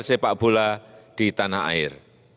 sepak bola di tanah air